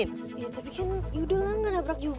iya tapi kan yaudahlah nggak nabrak juga